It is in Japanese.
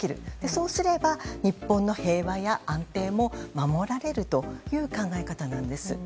そうすれば日本の平和や安定も守られるという考え方なんです。